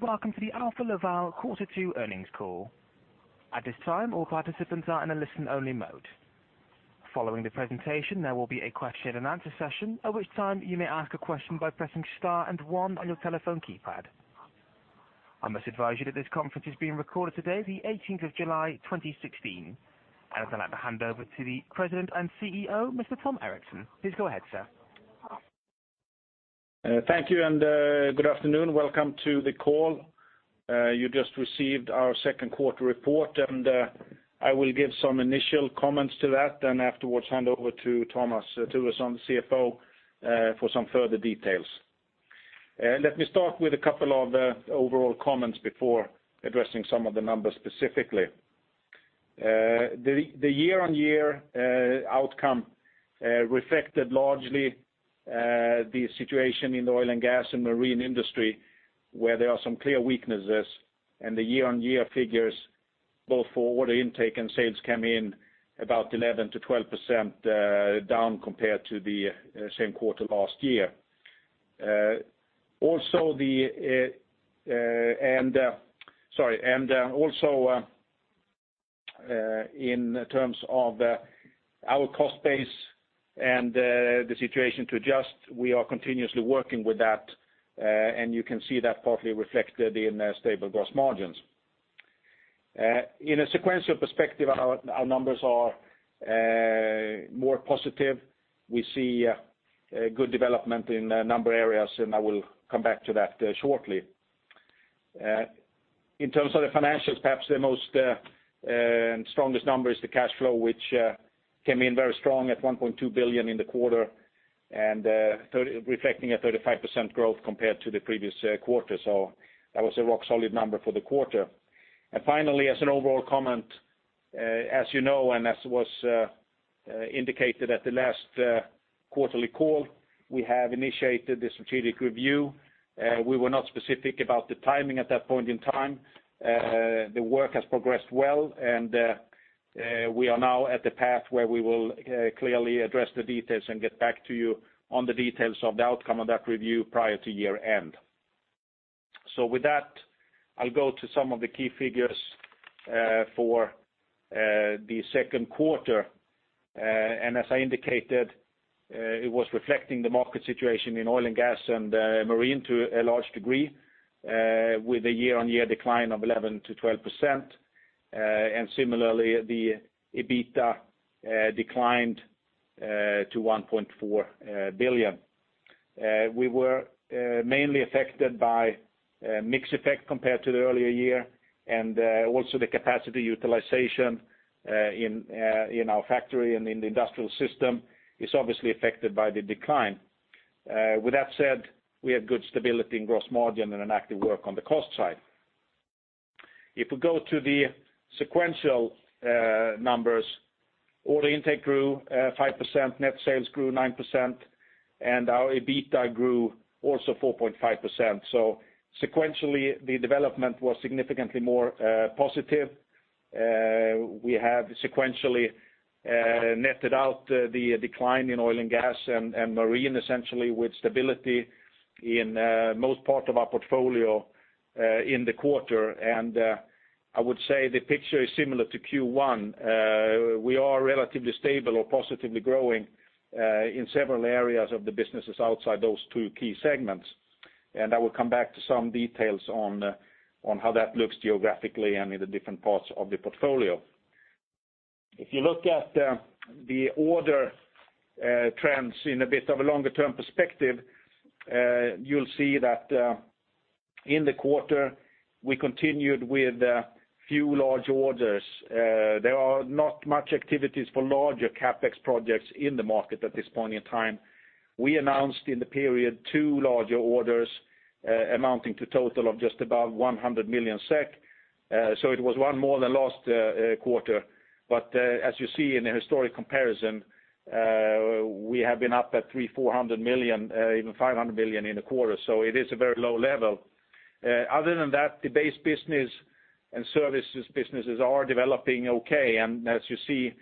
Welcome to the Alfa Laval quarter two earnings call. At this time, all participants are in a listen-only mode. Following the presentation, there will be a question and answer session, at which time you may ask a question by pressing star and one on your telephone keypad. I must advise you that this conference is being recorded today, the 18th of July, 2016. I would like to hand over to the President and CEO, Mr. Tom Erixon. Please go ahead, sir. Thank you and good afternoon. Welcome to the call. You just received our second quarter report. I will give some initial comments to that, then afterwards hand over to Thomas Thuresson, the CFO, for some further details. Let me start with a couple of overall comments before addressing some of the numbers specifically. The year-on-year outcome reflected largely the situation in the oil and gas and marine industry, where there are some clear weaknesses. The year-on-year figures, both for order intake and sales, come in about 11%-12% down compared to the same quarter last year. Also in terms of our cost base and the situation to adjust, we are continuously working with that, and you can see that partly reflected in stable gross margins. In a sequential perspective, our numbers are more positive. We see good development in a number of areas. I will come back to that shortly. In terms of the financials, perhaps the most strongest number is the cash flow, which came in very strong at 1.2 billion in the quarter, reflecting a 35% growth compared to the previous quarter. That was a rock-solid number for the quarter. Finally, as an overall comment, as you know, and as was indicated at the last quarterly call, we have initiated the strategic review. We were not specific about the timing at that point in time. The work has progressed well. We are now at the path where we will clearly address the details and get back to you on the details of the outcome of that review prior to year-end. With that, I'll go to some of the key figures for the second quarter. As I indicated, it was reflecting the market situation in oil and gas and marine to a large degree, with a year-on-year decline of 11%-12%. Similarly, the EBITDA declined to 1.4 billion. We were mainly affected by mix effect compared to the earlier year. Also the capacity utilization in our factory and in the industrial system is obviously affected by the decline. With that said, we have good stability in gross margin. An active work on the cost side. If we go to the sequential numbers, order intake grew 5%, net sales grew 9%. Our EBITDA grew also 4.5%. Sequentially, the development was significantly more positive. We have sequentially netted out the decline in oil and gas and marine, essentially with stability in most part of our portfolio in the quarter. I would say the picture is similar to Q1. We are relatively stable or positively growing in several areas of the businesses outside those two key segments. I will come back to some details on how that looks geographically and in the different parts of the portfolio. If you look at the order trends in a bit of a longer-term perspective, you will see that in the quarter, we continued with a few large orders. There are not much activities for larger CapEx projects in the market at this point in time. We announced in the period two larger orders amounting to total of just about 100 million SEK, so it was one more than last quarter. As you see in the historic comparison, we have been up at 300 million, 400 million, even 500 million in the quarter. It is a very low level. Other than that, the base business and services businesses are developing okay. As you see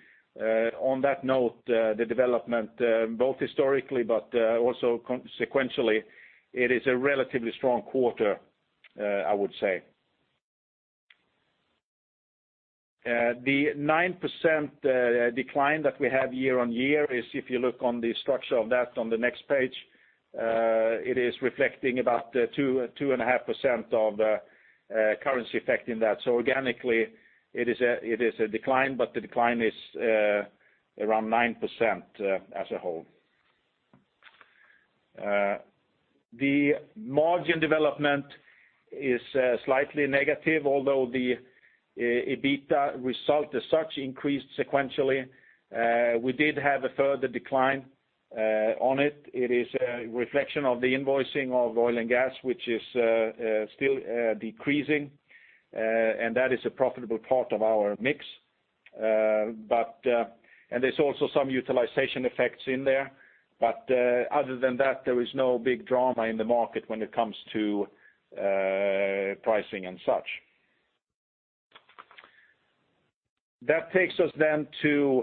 on that note, the development both historically but also sequentially, it is a relatively strong quarter, I would say. The 9% decline that we have year-over-year is, if you look on the structure of that on the next page, it is reflecting about 2.5% of currency effect in that. Organically, it is a decline, but the decline is around 9% as a whole. The margin development is slightly negative, although the EBITDA result as such increased sequentially. We did have a further decline on it. It is a reflection of the invoicing of oil and gas, which is still decreasing, and that is a profitable part of our mix. There is also some utilization effects in there. Other than that, there is no big drama in the market when it comes to pricing and such. That takes us to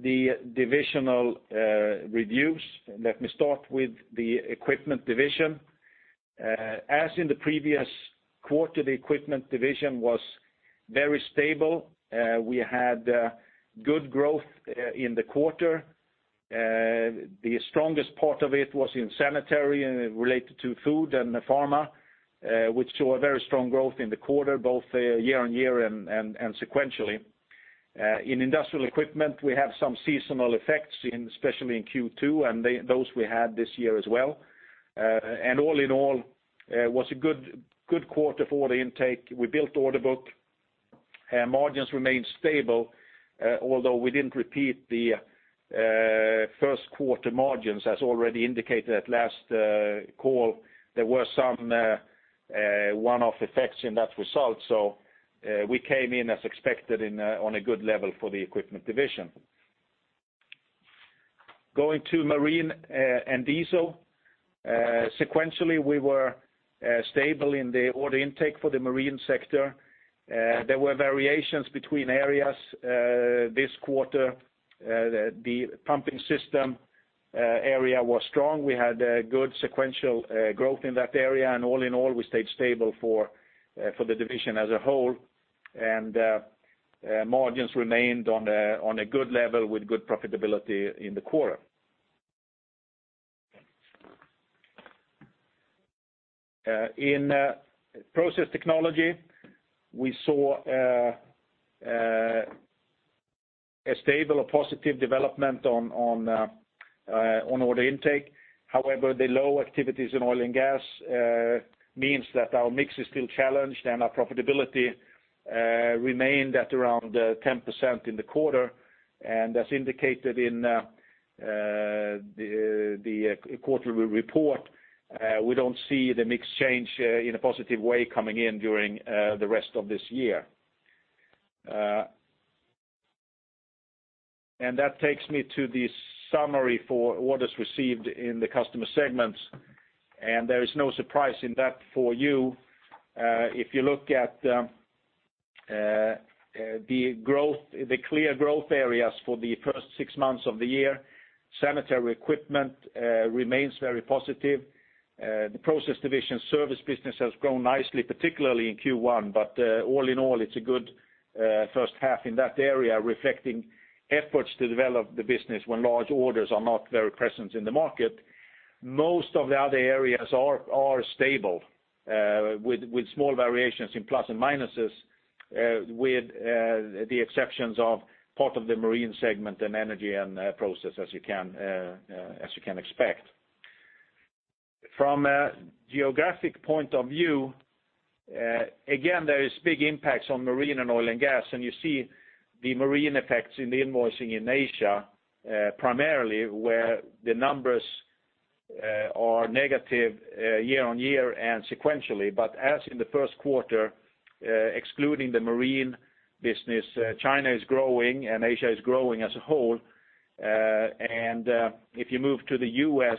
the divisional reviews. Let me start with the Equipment Division. As in the previous quarter, the Equipment Division was very stable. We had good growth in the quarter. The strongest part of it was in sanitary and related to food and pharma, which saw very strong growth in the quarter, both year-over-year and sequentially. In industrial equipment, we have some seasonal effects, especially in Q2, and those we had this year as well. All in all, it was a good quarter for the intake. We built the order book. Margins remained stable, although we didn't repeat the first quarter margins, as already indicated at last call. There were some one-off effects in that result. We came in as expected on a good level for the Equipment Division. Going to Marine and Diesel. Sequentially, we were stable in the order intake for the marine sector. There were variations between areas this quarter. The pumping system area was strong. We had good sequential growth in that area, and all in all, we stayed stable for the division as a whole, and margins remained on a good level with good profitability in the quarter. In Process Technology, we saw a stable or positive development on order intake. However, the low activities in oil and gas means that our mix is still challenged, and our profitability remained at around 10% in the quarter. As indicated in the quarterly report, we don't see the mix change in a positive way coming in during the rest of this year. That takes me to the summary for orders received in the customer segments. There is no surprise in that for you. If you look at the clear growth areas for the first 6 months of the year, sanitary equipment remains very positive. The process division service business has grown nicely, particularly in Q1, but all in all, it's a good 1st half in that area, reflecting efforts to develop the business when large orders are not very present in the market. Most of the other areas are stable with small variations in plus and minuses, with the exceptions of part of the marine segment and Energy and Process, as you can expect. From a geographic point of view, again, there is big impacts on marine and Oil and Gas, and you see the marine effects in the invoicing in Asia, primarily where the numbers are negative year-on-year and sequentially. As in the 1st quarter, excluding the marine business, China is growing, and Asia is growing as a whole. If you move to the U.S.,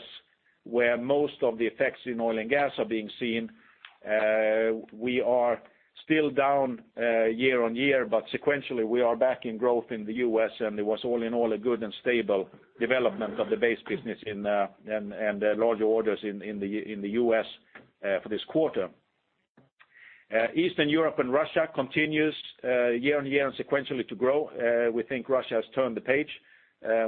where most of the effects in Oil and Gas are being seen, we are still down year-on-year, but sequentially, we are back in growth in the U.S., and it was all in all a good and stable development of the base business and larger orders in the U.S. for this quarter. Eastern Europe and Russia continues year-on-year and sequentially to grow. We think Russia has turned the page.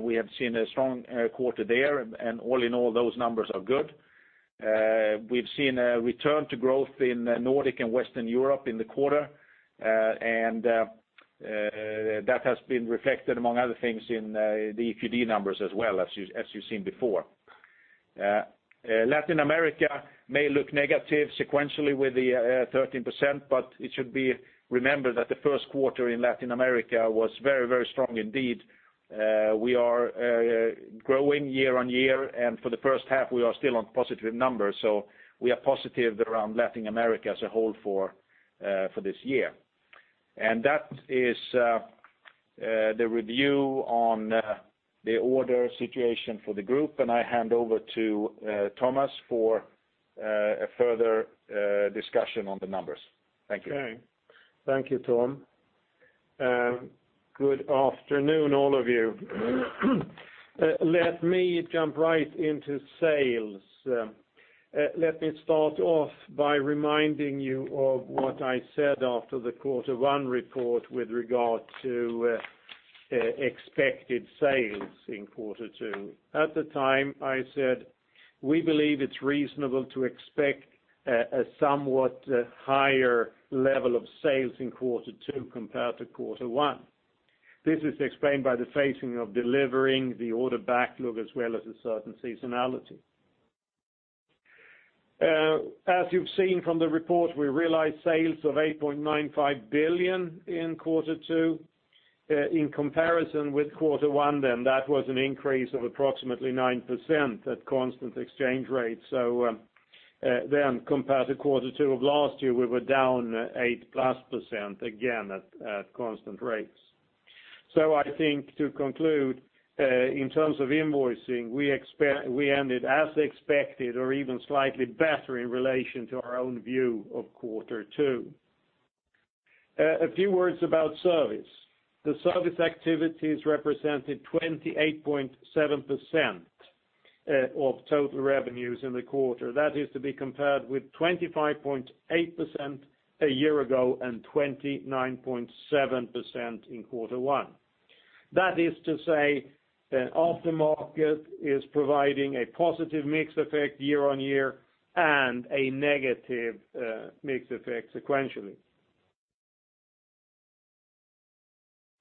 We have seen a strong quarter there, and all in all, those numbers are good. We've seen a return to growth in Nordic and Western Europe in the quarter, and that has been reflected, among other things, in the EQD numbers as well, as you've seen before. Latin America may look negative sequentially with the 13%, but it should be remembered that the 1st quarter in Latin America was very strong indeed. We are growing year-on-year, and for the 1st half, we are still on positive numbers. We are positive around Latin America as a whole for this year. That is the review on the order situation for the group, and I hand over to Thomas for a further discussion on the numbers. Thank you. Okay. Thank you, Tom. Good afternoon, all of you. Let me jump right into sales. Let me start off by reminding you of what I said after the Q1 report with regard to expected sales in Q2. At the time, I said we believe it's reasonable to expect a somewhat higher level of sales in Q2 compared to Q1. This is explained by the phasing of delivering the order backlog as well as a certain seasonality. As you've seen from the report, we realized sales of 8.95 billion in Q2. In comparison with Q1 then, that was an increase of approximately 9% at constant exchange rates. Compared to Q2 of last year, we were down 8+% again, at constant rates. I think to conclude, in terms of invoicing, we ended as expected or even slightly better in relation to our own view of quarter two. A few words about service. The service activities represented 28.7% of total revenues in the quarter. That is to be compared with 25.8% a year ago and 29.7% in quarter one. That is to say that aftermarket is providing a positive mix effect year-over-year and a negative mix effect sequentially.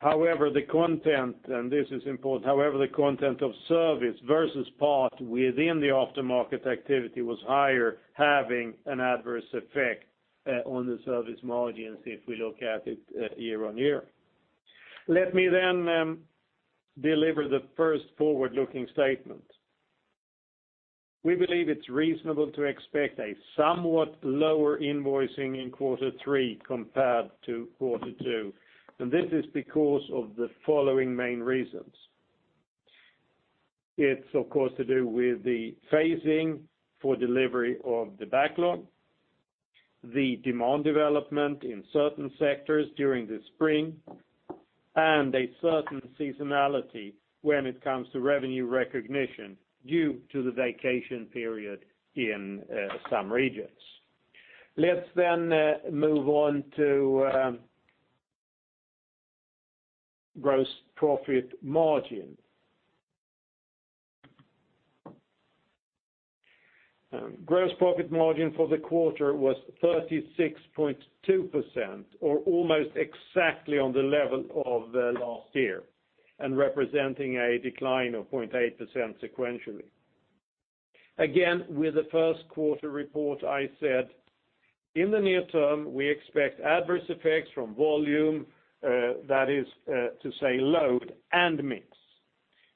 However, the content, and this is important, however the content of service versus part within the aftermarket activity was higher, having an adverse effect on the service margins if we look at it year-over-year. Let me deliver the first forward-looking statement. We believe it's reasonable to expect a somewhat lower invoicing in quarter three compared to quarter two, this is because of the following main reasons. It's of course to do with the phasing for delivery of the backlog, the demand development in certain sectors during the spring, and a certain seasonality when it comes to revenue recognition due to the vacation period in some regions. Let's move on to gross profit margin. Gross profit margin for the quarter was 36.2%, or almost exactly on the level of last year, and representing a decline of 0.8% sequentially. Again, with the first quarter report, I said, in the near term, we expect adverse effects from volume, that is to say, load and mix.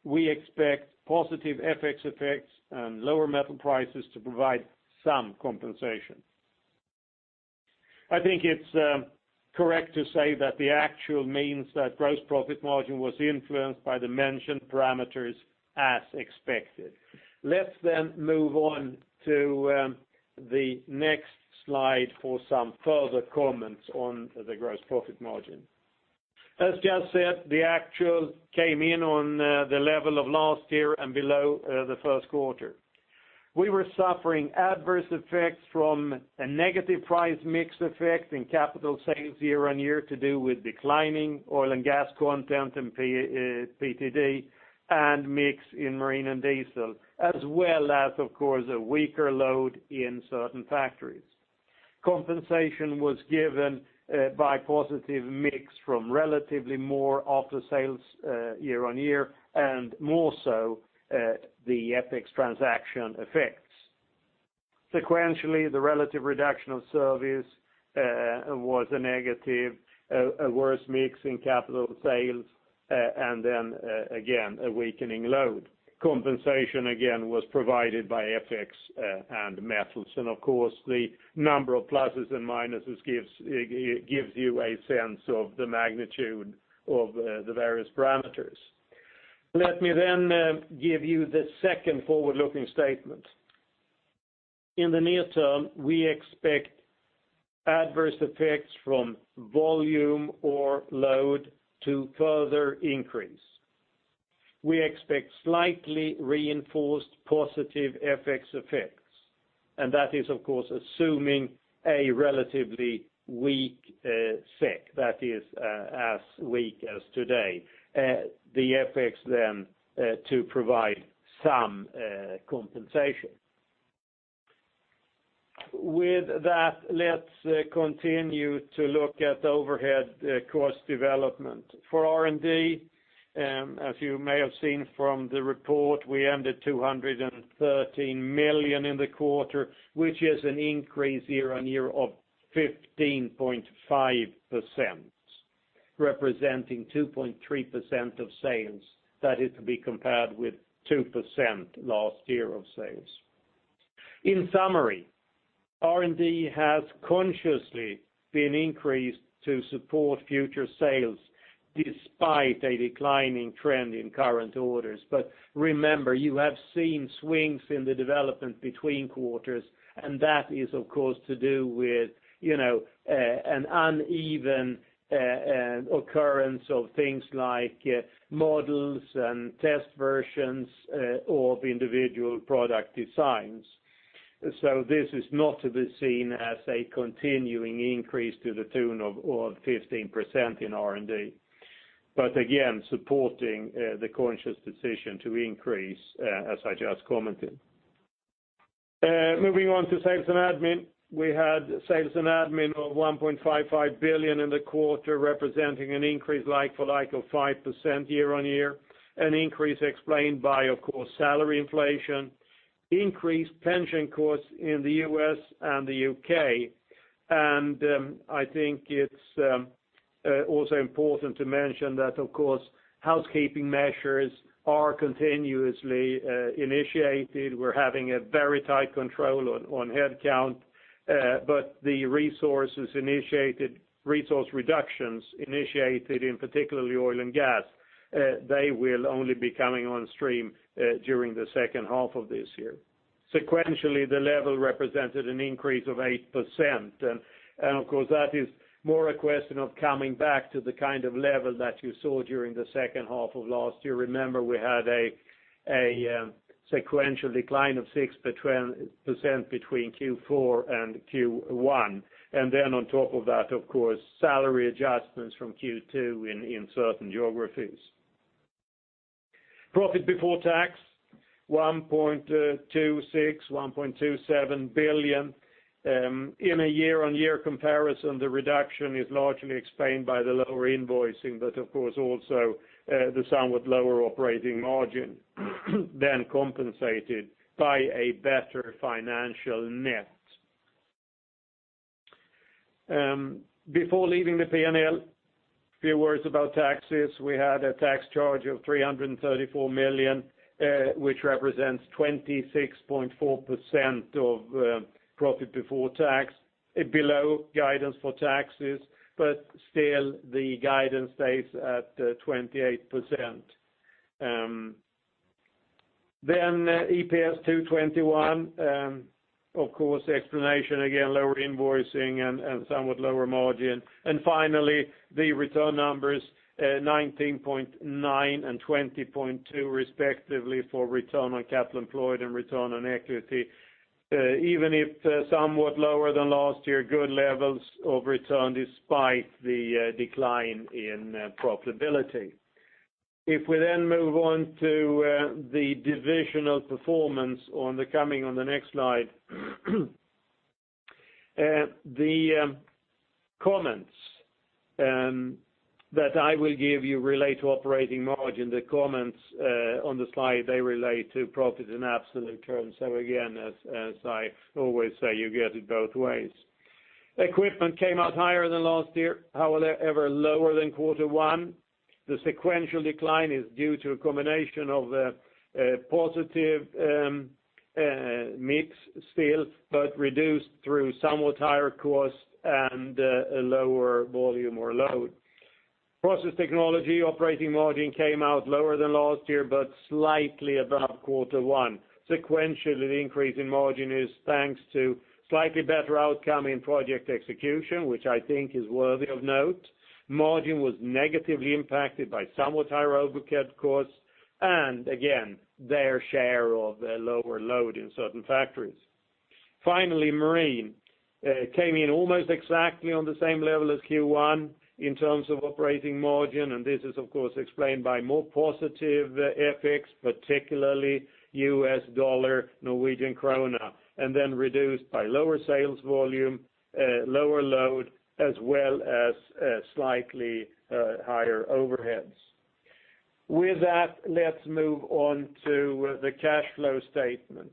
We expect positive FX effects and lower metal prices to provide some compensation. I think it's correct to say that the actual means that gross profit margin was influenced by the mentioned parameters as expected. Let's move on to the next slide for some further comments on the gross profit margin. As just said, the actual came in on the level of last year and below the first quarter. We were suffering adverse effects from a negative price mix effect in capital sales year-over-year to do with declining oil and gas content in PTD, and mix in marine and diesel, as well as, of course, a weaker load in certain factories. Compensation was given by positive mix from relatively more after-sales year-over-year, and more so, the FX transaction effects. Sequentially, the relative reduction of service was a negative, a worse mix in capital sales, then again, a weakening load. Compensation, again, was provided by FX and metals. Of course, the number of pluses and minuses gives you a sense of the magnitude of the various parameters. Let me give you the second forward-looking statement. In the near term, we expect adverse effects from volume or load to further increase. We expect slightly reinforced positive FX effects, that is, of course, assuming a relatively weak SEK, that is as weak as today. The FX then to provide some compensation. With that, let's continue to look at overhead cost development. For R&D, as you may have seen from the report, we ended 213 million in the quarter, which is an increase year-over-year of 15.5%, representing 2.3% of sales. That is to be compared with 2% last year of sales. In summary, R&D has consciously been increased to support future sales despite a declining trend in current orders. Remember, you have seen swings in the development between quarters, that is, of course, to do with an uneven occurrence of things like models and test versions of individual product designs. This is not to be seen as a continuing increase to the tune of 15% in R&D. Again, supporting the conscious decision to increase, as I just commented. Moving on to sales and admin. We had sales and admin of 1.55 billion in the quarter, representing an increase like-for-like of 5% year-on-year. An increase explained by, of course, salary inflation, increased pension costs in the U.S. and the U.K. I think it's also important to mention that, of course, housekeeping measures are continuously initiated. We're having a very tight control on headcount, but the resource reductions initiated in particularly oil and gas, they will only be coming on stream during the second half of this year. Sequentially, the level represented an increase of 8%, of course, that is more a question of coming back to the kind of level that you saw during the second half of last year. Remember, we had a sequential decline of 6% between Q4 and Q1. Then on top of that, of course, salary adjustments from Q2 in certain geographies. Profit before tax, 1.26 billion, 1.27 billion. In a year-on-year comparison, the reduction is largely explained by the lower invoicing, of course, also the somewhat lower operating margin, then compensated by a better financial net. Before leaving the P&L, a few words about taxes. We had a tax charge of 334 million, which represents 26.4% of profit before tax, below guidance for taxes, still the guidance stays at 28%. EPS 221, of course, explanation again, lower invoicing and somewhat lower margin. Finally, the return numbers, 19.9% and 20.2% respectively for return on capital employed and return on equity. Even if somewhat lower than last year, good levels of return despite the decline in profitability. If we then move on to the divisional performance on the next slide. The comments that I will give you relate to operating margin. The comments on the slide, they relate to profit in absolute terms. Again, as I always say, you get it both ways. Equipment came out higher than last year, however, lower than Q1. The sequential decline is due to a combination of a positive mix still, reduced through somewhat higher cost and a lower volume or load. Process technology operating margin came out lower than last year, slightly above Q1. Sequentially, the increase in margin is thanks to slightly better outcome in project execution, which I think is worthy of note. Margin was negatively impacted by somewhat higher overhead costs again, their share of the lower load in certain factories. Finally, Marine came in almost exactly on the same level as Q1 in terms of operating margin, this is of course explained by more positive FX, particularly USD, NOK, reduced by lower sales volume, lower load, as well as slightly higher overheads. With that, let's move on to the cash flow statement.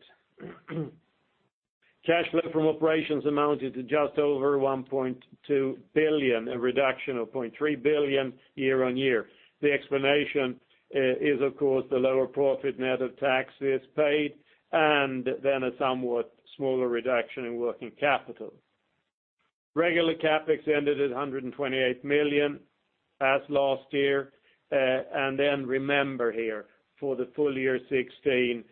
Cash flow from operations amounted to just over 1.2 billion, a reduction of 0.3 billion year-on-year. The explanation is, of course, the lower profit net of taxes paid, a somewhat smaller reduction in working capital. Regular CapEx ended at 128 million as last year. Remember here, for the full year 2016,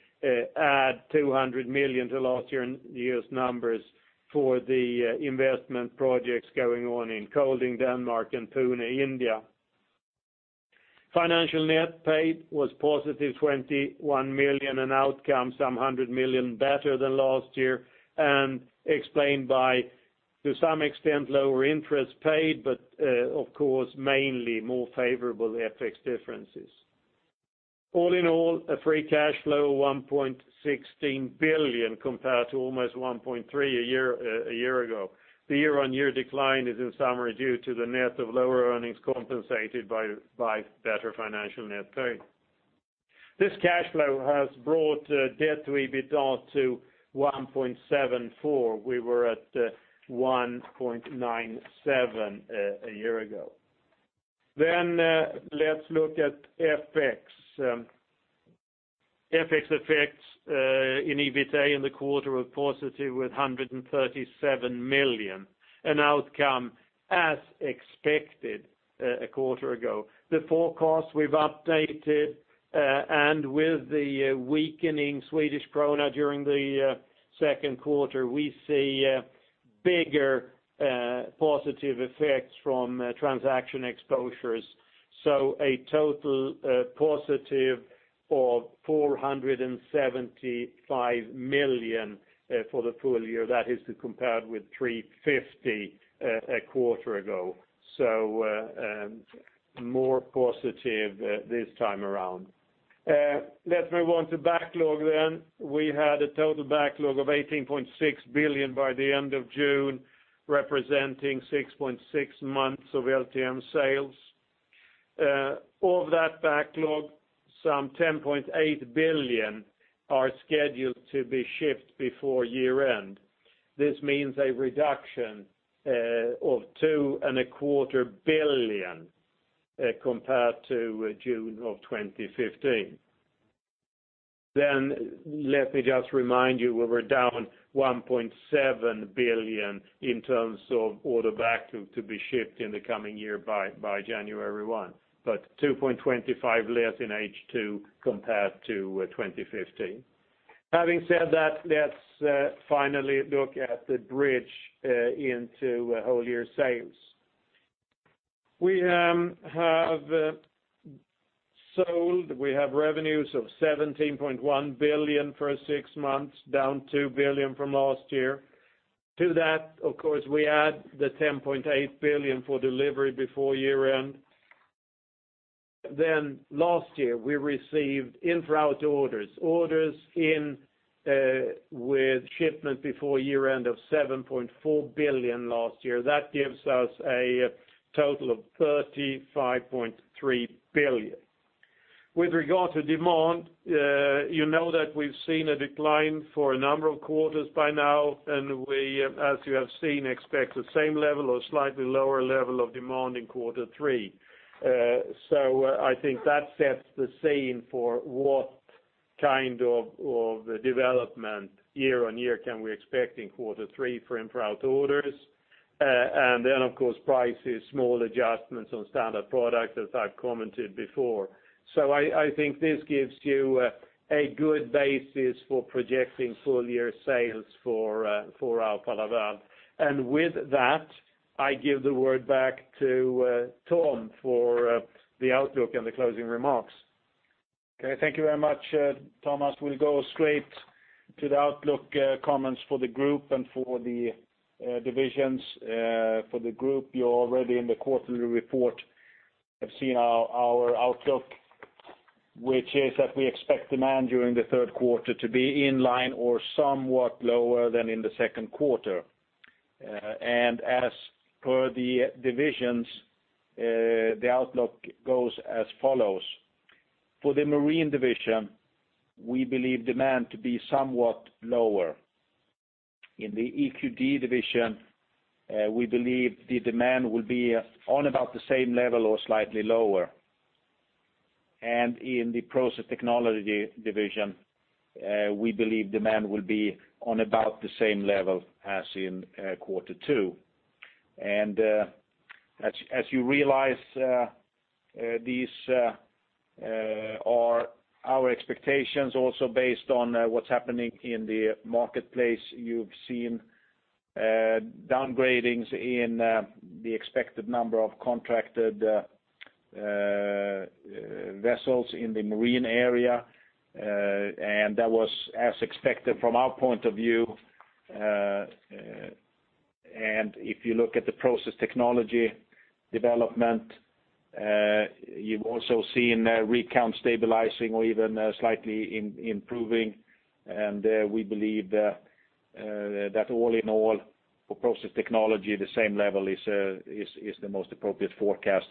add 200 million to last year's numbers for the investment projects going on in Kolding, Denmark and Pune, India. Financial net paid was positive 21 million, an outcome some 100 million better than last year, explained by, to some extent, lower interest paid, but of course, mainly more favorable FX differences. All in all, a free cash flow of 1.16 billion compared to almost 1.3 billion a year ago. The year-on-year decline is in summary due to the net of lower earnings compensated by better financial net pay. This cash flow has brought debt to EBITDA to 1.74. We were at 1.97 a year ago. Let's look at FX. FX effects in EBITDA in the quarter were positive with 137 million, an outcome as expected a quarter ago. The forecast we've updated. With the weakening Swedish krona during the second quarter, we see a bigger positive effects from transaction exposures. A total positive of 475 million for the full year. That is compared with 350 million a quarter ago. More positive this time around. Let's move on to backlog. We had a total backlog of 18.6 billion by the end of June, representing 6.6 months of LTM sales. Of that backlog, some 10.8 billion are scheduled to be shipped before year-end. This means a reduction of two and a quarter billion, compared to June of 2015. Let me just remind you, we were down 1.7 billion in terms of order backlog to be shipped in the coming year, by January 1. 2.25 billion less in H2 compared to 2015. Having said that, let's finally look at the bridge into whole year sales. We have revenues of 17.1 billion for six months, down 2 billion from last year. To that, of course, we add the 10.8 billion for delivery before year-end. Last year, we received in-route orders in with shipment before year-end of 7.4 billion last year. That gives us a total of 35.3 billion. With regard to demand, you know that we've seen a decline for a number of quarters by now, and we, as you have seen, expect the same level or slightly lower level of demand in quarter three. I think that sets the scene for what kind of development year-on-year can we expect in quarter three for in-route orders. Of course, prices, small adjustments on standard product, as I've commented before. I think this gives you a good basis for projecting full-year sales for Alfa Laval. With that, I give the word back to Tom for the outlook and the closing remarks. Okay. Thank you very much, Thomas. We'll go straight to the outlook comments for the group and for the divisions. For the group, you already in the quarterly report have seen our outlook, which is that we expect demand during the third quarter to be in line or somewhat lower than in the second quarter. As per the divisions, the outlook goes as follows. For the marine division, we believe demand to be somewhat lower. In the EQD division, we believe the demand will be on about the same level or slightly lower. In the process technology division, we believe demand will be on about the same level as in quarter 2. As you realize, these are our expectations also based on what's happening in the marketplace. You've seen downgradings in the expected number of contracted vessels in the marine area, and that was as expected from our point of view. If you look at the process technology development, you've also seen rig count stabilizing or even slightly improving. We believe that all in all, for process technology, the same level is the most appropriate forecast.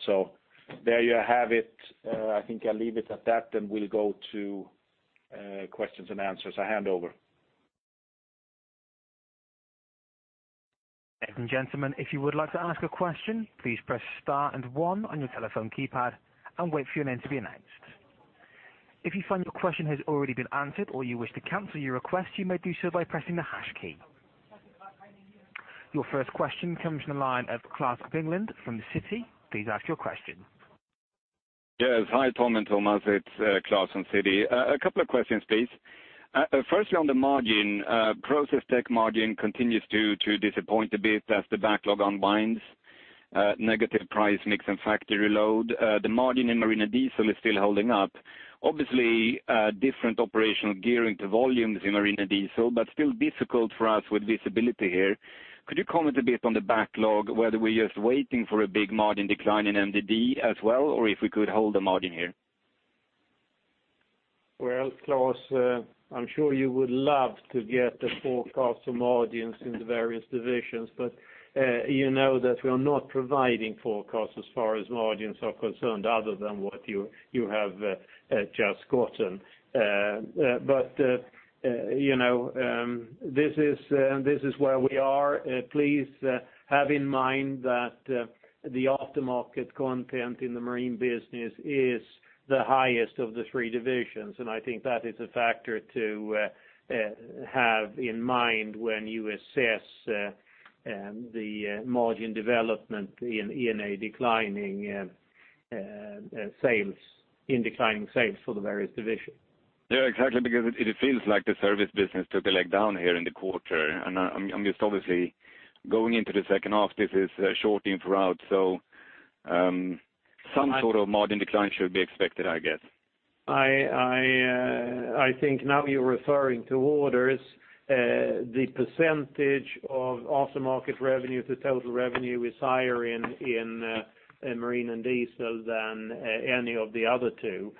There you have it. I think I'll leave it at that, and we'll go to questions and answers. I hand over. Ladies and gentlemen, if you would like to ask a question, please press star 1 on your telephone keypad and wait for your name to be announced. If you find your question has already been answered, or you wish to cancel your request, you may do so by pressing the hash key. Your first question comes from the line of Klas Bergelind from Citi. Please ask your question. Yes. Hi, Tom and Thomas. It's Klas from Citi. A couple of questions, please. Firstly, on the margin. Process tech margin continues to disappoint a bit as the backlog unwinds. Negative price mix and factory load. The margin in marine and diesel is still holding up. Obviously, different operational gearing to volumes in marine and diesel, but still difficult for us with visibility here. Could you comment a bit on the backlog, whether we're just waiting for a big margin decline in MDD as well, or if we could hold the margin here? Well, Klas, I'm sure you would love to get the forecast on margins in the various divisions, but you know that we are not providing forecasts as far as margins are concerned, other than what you have just gotten. This is where we are. Please have in mind that the aftermarket content in the marine business is the highest of the three divisions, and I think that is a factor to have in mind when you assess the margin development in declining sales for the various divisions. Yeah, exactly, because it feels like the service business took a leg down here in the quarter, and I'm just obviously going into the second half. This is a short in route, so some sort of margin decline should be expected, I guess. I think now you're referring to orders. The percentage of aftermarket revenue to total revenue is higher in marine and diesel than any of the other two,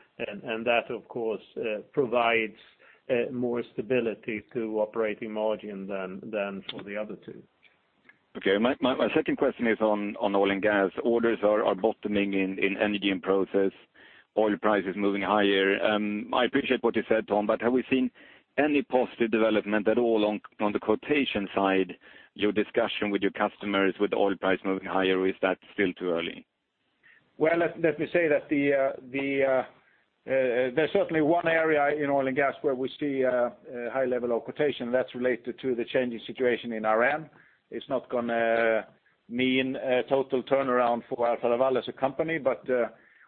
and that, of course, provides more stability to operating margin than for the other two. Okay. My second question is on oil and gas. Orders are bottoming in energy and process, oil price is moving higher. I appreciate what you said, Tom, but have we seen any positive development at all on the quotation side, your discussion with your customers, with oil price moving higher, or is that still too early? Let me say that there's certainly one area in oil and gas where we see a high level of quotation that's related to the changing situation in Iran. It's not going to mean a total turnaround for Alfa Laval as a company, but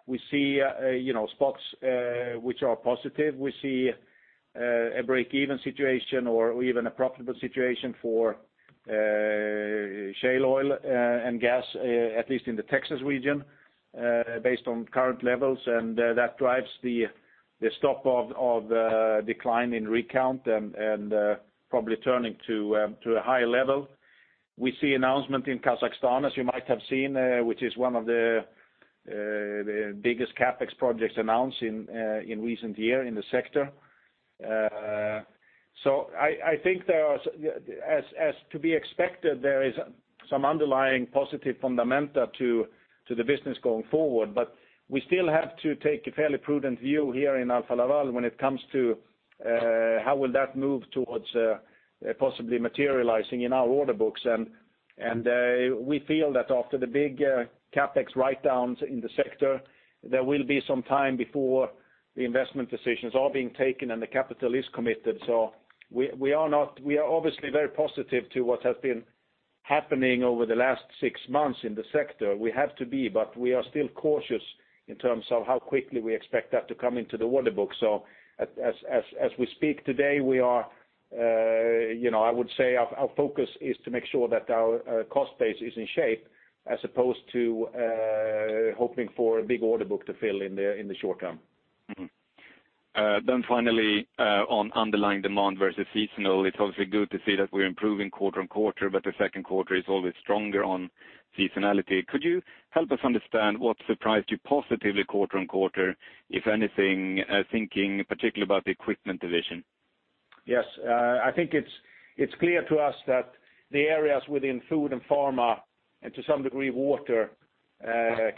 we see spots which are positive. We see a break-even situation or even a profitable situation for shale oil and gas, at least in the Texas region, based on current levels, and that drives the stop of decline in rig count and probably turning to a higher level. We see announcement in Kazakhstan, as you might have seen, which is one of the biggest CapEx projects announced in recent year in the sector. I think as to be expected, there is some underlying positive fundamentals to the business going forward. We still have to take a fairly prudent view here in Alfa Laval when it comes to how will that move towards possibly materializing in our order books. We feel that after the big CapEx writedowns in the sector, there will be some time before the investment decisions are being taken, and the capital is committed. We are obviously very positive to what has been happening over the last 6 months in the sector. We have to be, we are still cautious in terms of how quickly we expect that to come into the order book. As we speak today, I would say our focus is to make sure that our cost base is in shape as opposed to hoping for a big order book to fill in the short term. Finally, on underlying demand versus seasonal, it's obviously good to see that we're improving quarter-on-quarter, but the second quarter is always stronger on seasonality. Could you help us understand what surprised you positively quarter-on-quarter, if anything, thinking particularly about the equipment division? Yes. I think it's clear to us that the areas within food and pharma, and to some degree water,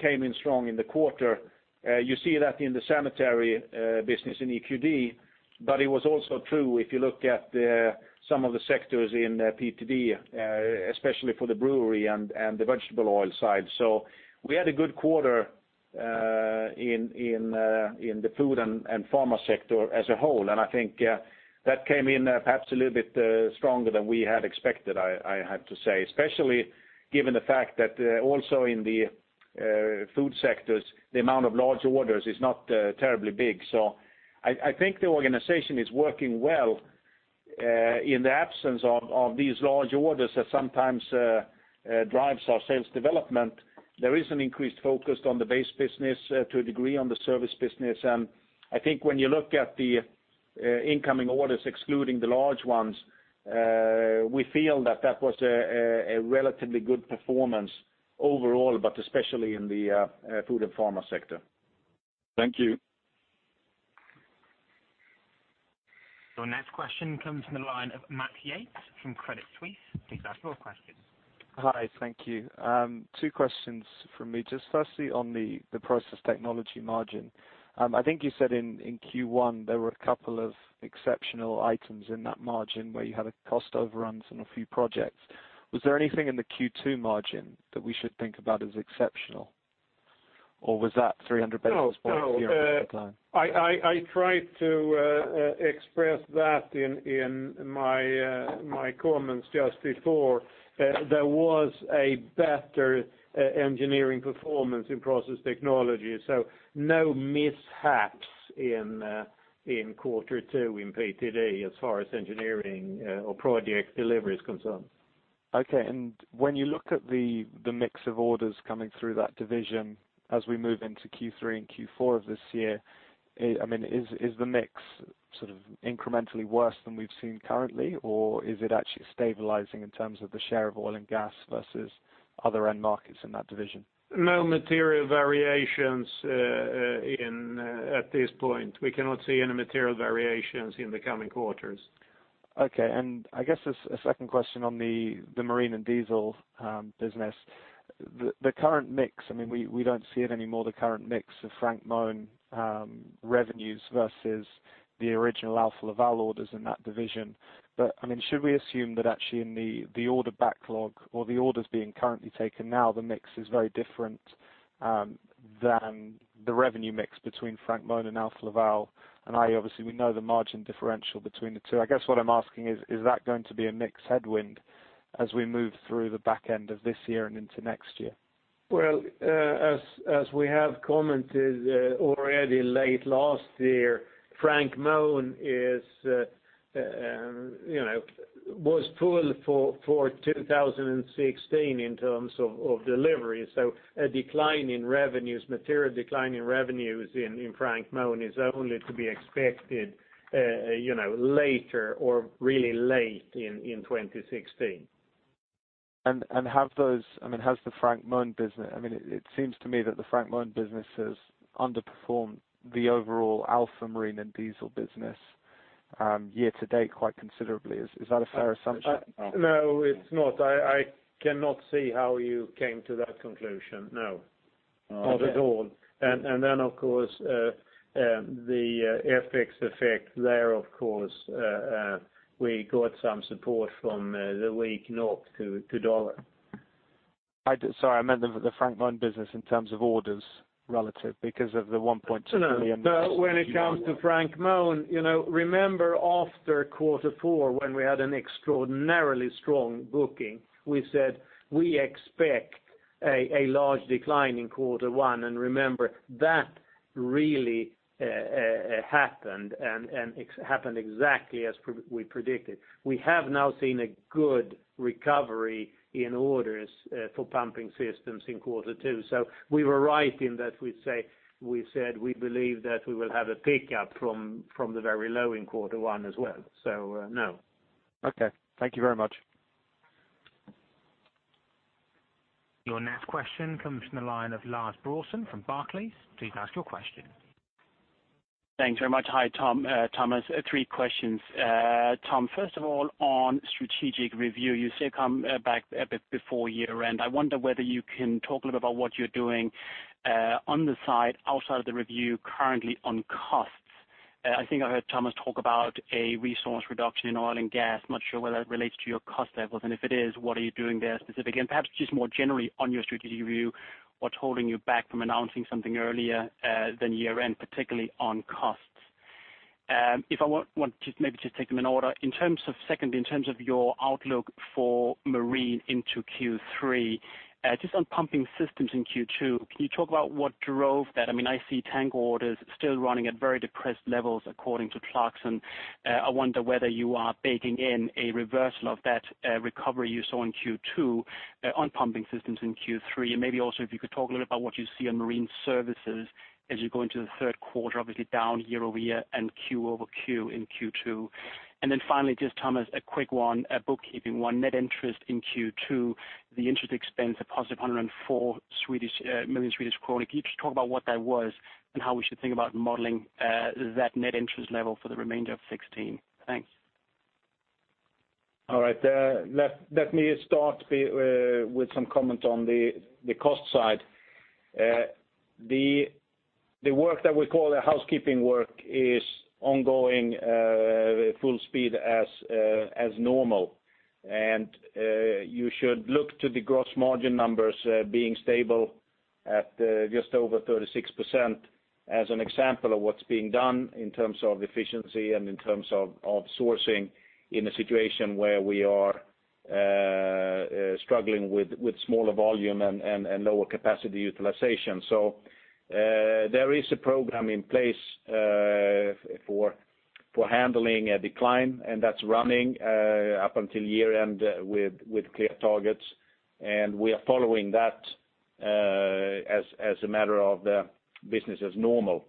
came in strong in the quarter. You see that in the sanitary business in EQD, but it was also true if you look at some of the sectors in PTD, especially for the brewery and the vegetable oil side. We had a good quarter in the food and pharma sector as a whole, I think that came in perhaps a little bit stronger than we had expected, I have to say, especially given the fact that also in the food sectors, the amount of large orders is not terribly big. I think the organization is working well in the absence of these large orders that sometimes drives our sales development. There is an increased focus on the base business to a degree on the service business. I think when you look at the incoming orders, excluding the large ones, we feel that was a relatively good performance overall, but especially in the food and pharma sector. Thank you. Your next question comes from the line of Max Yates from Credit Suisse. Please ask your question. Hi. Thank you. Two questions from me. Just firstly, on the process technology margin. I think you said in Q1, there were a couple of exceptional items in that margin where you had cost overruns on a few projects. Was there anything in the Q2 margin that we should think about as exceptional? Or was that 300 basis points year-over-decline? No. I tried to express that in my comments just before. There was a better engineering performance in process technology, so no mishaps in quarter two in PTD as far as engineering or project delivery is concerned. Okay. When you look at the mix of orders coming through that division as we move into Q3 and Q4 of this year, is the mix sort of incrementally worse than we've seen currently, or is it actually stabilizing in terms of the share of oil and gas versus other end markets in that division? No material variations at this point. We cannot see any material variations in the coming quarters. Okay. I guess a second question on the marine and diesel business. The current mix, we don't see it anymore, the current mix of Frank Mohn revenues versus the original Alfa Laval orders in that division. Should we assume that actually in the order backlog or the orders being currently taken now, the mix is very different from the revenue mix between Frank Mohn and Alfa Laval? Obviously, we know the margin differential between the two. I guess what I'm asking is that going to be a mix headwind as we move through the back end of this year and into next year? As we have commented already late last year, Frank Mohn was pulled for 2016 in terms of delivery. A material decline in revenues in Frank Mohn is only to be expected later or really late in 2016. It seems to me that the Frank Mohn business has underperformed the overall Alfa marine and diesel business year-to-date quite considerably. Is that a fair assumption? No, it's not. I cannot see how you came to that conclusion. No. Okay. Not at all. Of course, the FX effect there, of course, we got some support from the weak NOK to USD. Sorry, I meant the Frank Mohn business in terms of orders relative, because of the 1.2 billion- No. When it comes to Frank Mohn, remember after quarter four, when we had an extraordinarily strong booking, we said we expect a large decline in quarter one, and remember that really happened, and it happened exactly as we predicted. We have now seen a good recovery in orders for pumping systems in quarter two. We were right in that we said we believe that we will have a pickup from the very low in quarter one as well. No. Okay. Thank you very much. Your next question comes from the line of Lars Brattbakk from Barclays. Please ask your question. Thanks very much. Hi, Thomas. Three questions. Tom, first of all, on strategic review, you say come back a bit before year-end. I wonder whether you can talk a little about what you're doing on the side, outside of the review currently on costs. I think I heard Thomas talk about a resource reduction in oil and gas. Not sure whether that relates to your cost levels, and if it is, what are you doing there specifically? Perhaps just more generally on your strategic review, what's holding you back from announcing something earlier than year-end, particularly on costs? Secondly, in terms of your outlook for marine into Q3, just on pumping systems in Q2, can you talk about what drove that? I see tank orders still running at very depressed levels according to Clarksons. I wonder whether you are baking in a reversal of that recovery you saw in Q2 on pumping systems in Q3, maybe also if you could talk a little about what you see on marine services as you go into the third quarter, obviously down year-over-year and quarter-over-quarter in Q2. Finally, just Thomas, a quick one, a bookkeeping one. Net interest in Q2, the interest expense, a positive 104 million. Can you just talk about what that was and how we should think about modeling that net interest level for the remainder of 2016? Thanks. All right. Let me start with some comment on the cost side. The work that we call the housekeeping work is ongoing, full speed as normal. You should look to the gross margin numbers being stable at just over 36% as an example of what's being done in terms of efficiency and in terms of sourcing in a situation where we are struggling with smaller volume and lower capacity utilization. There is a program in place for handling a decline, and that's running up until year-end with clear targets, and we are following that as a matter of business as normal.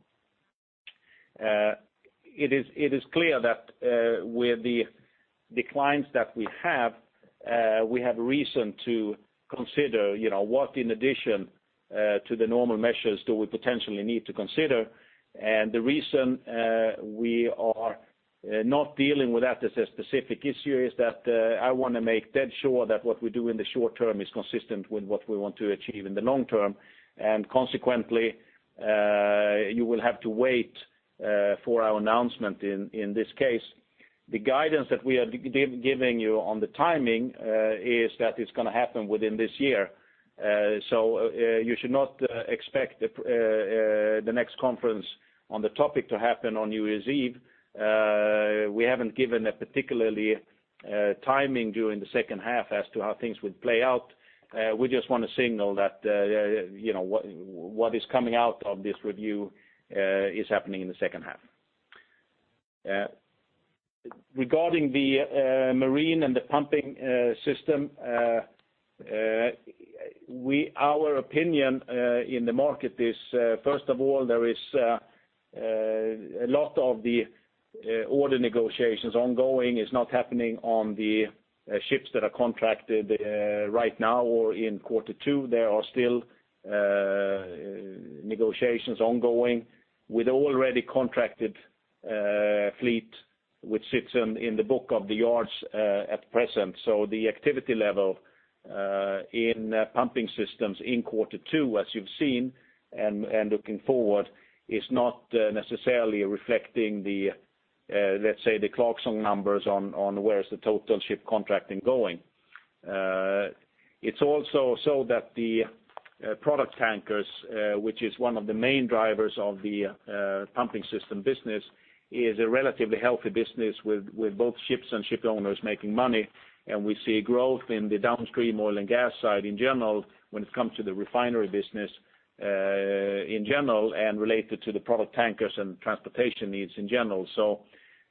It is clear that with the declines that we have, we have reason to consider what, in addition to the normal measures, do we potentially need to consider. The reason we are not dealing with that as a specific issue is that I want to make dead sure that what we do in the short term is consistent with what we want to achieve in the long term, and consequently, you will have to wait for our announcement in this case. The guidance that we are giving you on the timing is that it's going to happen within this year. You should not expect the next conference on the topic to happen on New Year's Eve. We haven't given a particular timing during the second half as to how things would play out. We just want to signal that what is coming out of this review is happening in the second half. Regarding the marine and the pumping system, our opinion in the market is, first of all, there is a lot of the order negotiations ongoing. It's not happening on the ships that are contracted right now or in quarter two. There are still negotiations ongoing with already contracted fleet, which sits in the book of the yards at present. The activity level in pumping systems in quarter two, as you've seen and looking forward, is not necessarily reflecting the, let's say, the Clarksons numbers on where is the total ship contracting going. It's also so that the product tankers, which is one of the main drivers of the pumping system business, is a relatively healthy business with both ships and ship owners making money, and we see growth in the downstream oil and gas side in general when it comes to the refinery business in general and related to the product tankers and transportation needs in general.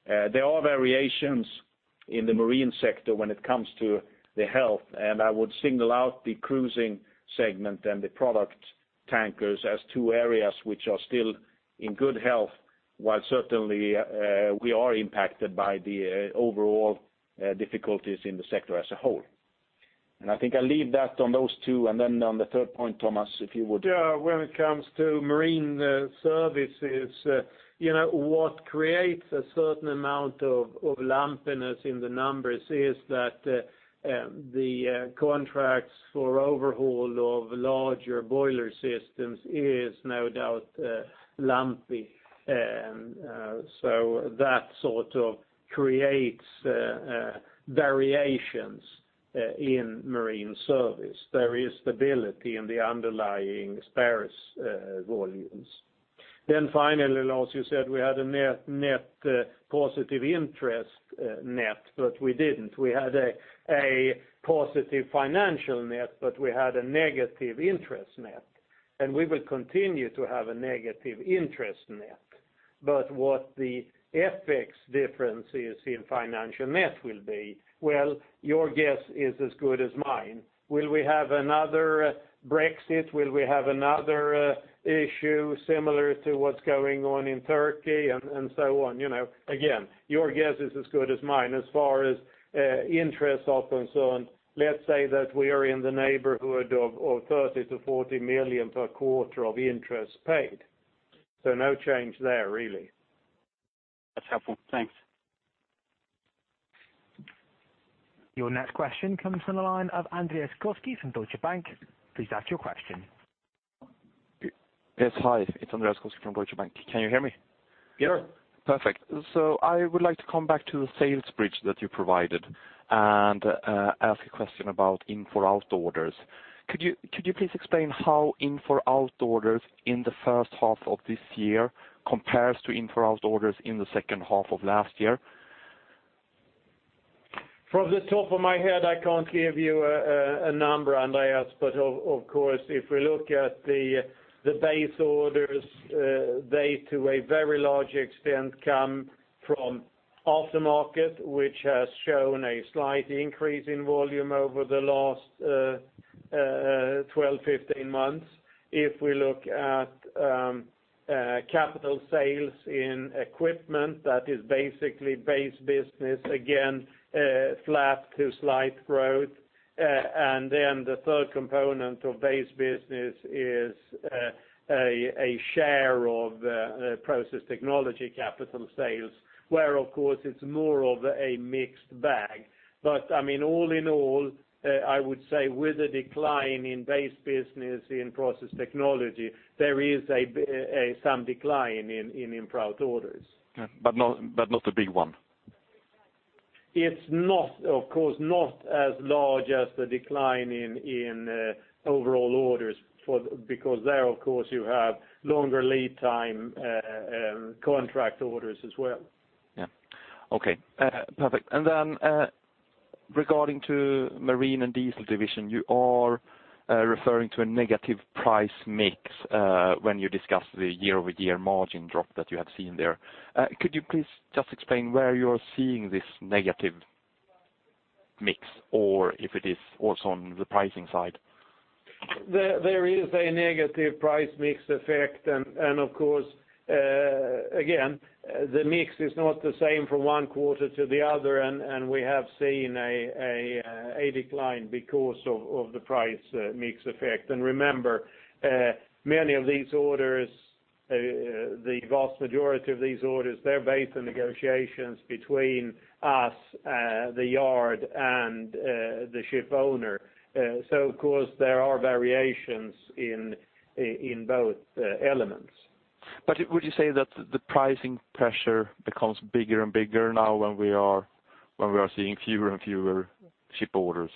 There are variations in the marine sector when it comes to the health, and I would single out the cruising segment and the product tankers as two areas which are still in good health, while certainly we are impacted by the overall difficulties in the sector as a whole. I think I leave that on those two, and then on the third point, Thomas, if you would. Yeah. When it comes to marine services, what creates a certain amount of lumpiness in the numbers is that the contracts for overhaul of larger boiler systems is no doubt lumpy. That sort of creates variations in marine service. There is stability in the underlying spares volumes. Finally, Lars, you said we had a net positive interest net, but we didn't. We had a positive financial net, but we had a negative interest net. We will continue to have a negative interest net. What the FX difference is in financial net will be, well, your guess is as good as mine. Will we have another Brexit? Will we have another issue similar to what's going on in Turkey and so on? Again, your guess is as good as mine. As far as interest off and so on, let's say that we are in the neighborhood of 30 million to 40 million per quarter of interest paid. No change there really. That's helpful. Thanks. Your next question comes from the line of Andreas Koski from Deutsche Bank. Please ask your question. Yes, hi. It's Andreas Koski from Deutsche Bank. Can you hear me? Sure. Perfect. I would like to come back to the sales bridge that you provided and ask a question about in-for-out orders. Could you please explain how in-for-out orders in the first half of this year compares to in-for-out orders in the second half of last year? From the top of my head, I can't give you a number, Andreas. Of course, if we look at the base orders, they to a very large extent come from aftermarket, which has shown a slight increase in volume over the last 12, 15 months. If we look at capital sales in equipment, that is basically base business, again, flat to slight growth. Then the third component of base business is a share of process technology capital sales, where, of course, it's more of a mixed bag. All in all, I would say with a decline in base business in process technology, there is some decline in in-for-out orders. Not a big one. It's of course not as large as the decline in overall orders, because there, of course, you have longer lead time contract orders as well. Okay, perfect. Regarding to marine and diesel division, you are referring to a negative price mix when you discuss the year-over-year margin drop that you have seen there. Could you please just explain where you're seeing this negative mix, or if it is also on the pricing side? There is a negative price mix effect, of course, again, the mix is not the same from one quarter to the other, and we have seen a decline because of the price mix effect. Remember, many of these orders, the vast majority of these orders, they're based on negotiations between us, the yard, and the ship owner. Of course, there are variations in both elements. Would you say that the pricing pressure becomes bigger and bigger now when we are seeing fewer and fewer ship orders?